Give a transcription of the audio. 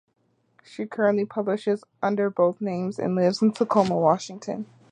She currently publishes under both names, and lives in Tacoma, Washington.